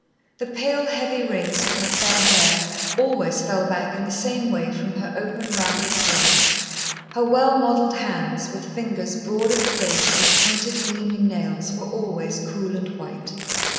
The pale, heavy rings of her fair hair always fell back in the same way from her open, rounded forehead, her well modelled hands, with fingers broad at the base, and pointed, gleaming nails were always cool and white.